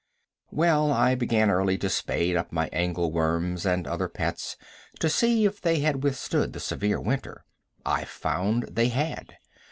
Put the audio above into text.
] Well, I began early to spade up my angle worms and other pets, to see if they had withstood the severe winter. I found they had.